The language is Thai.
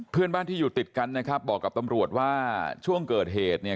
เพื่อนบ้านที่อยู่ติดกันนะครับบอกกับตำรวจว่าช่วงเกิดเหตุเนี่ย